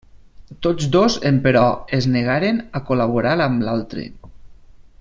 Tots dos, emperò, es negaren a col·laborar amb l'altre.